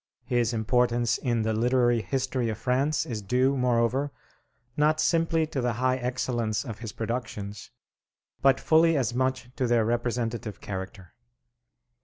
His importance in the literary history of France is due, moreover, not simply to the high excellence of his productions, but fully as much to their representative character.